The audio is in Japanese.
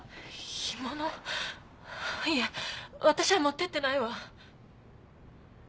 いえ私は持っていってないわ。